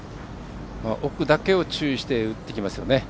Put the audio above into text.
奥だけを注意して打ってきますよね。